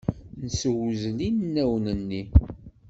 Nessewzel inaw-nni.